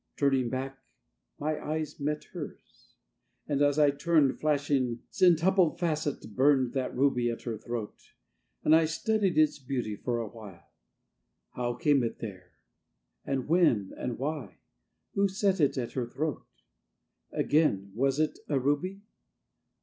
Turning back My eyes met hers; and as I turned, Flashing centupled facets, burned That ruby at her throat; and I Studied its beauty for a while: How came it there, and when, and why? Who set it at her throat? Again, Was it a ruby?